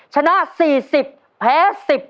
ชนะ๔๐แพ้๑๐